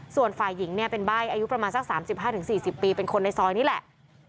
ส่วนฝ่ายหญิงเนี่ยเป็นใบ้อายุประมาณสัก๓๕๔๐ปีเป็นคนในซอยนี่แหละ